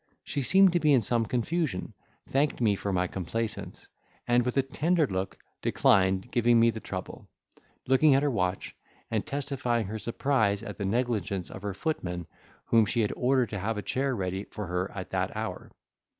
She seemed to be in some confusion, thanked me for my complaisance, and with a tender look declined giving me the trouble: looking at her watch, and testifying her surprise at the negligence of her footman whom she had ordered to have a chair ready for her at that hour.